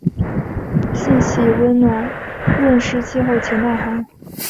性喜温暖润湿气候且耐寒。